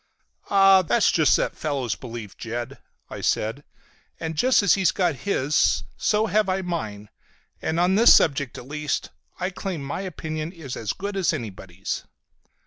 "That's just that fellow's belief, Jed," I said. "And just as he's got his so have I mine. And on this subject at least I claim my opinion is as good as anybody's."